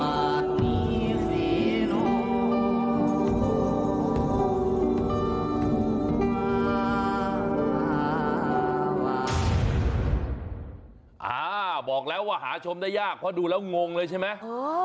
บอกแล้วว่าหาชมได้ยากเพราะดูแล้วงงเลยใช่ไหม